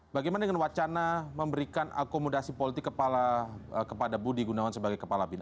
bagaimana dengan wacana memberikan akomodasi politik kepada budi gunawan sebagai kepala bin